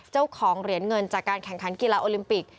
เจ้าของเหรียญเงินจากการแข่งขันกีฬาโอลิมปิก